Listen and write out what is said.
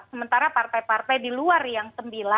sementara partai partai di luar yang sembilan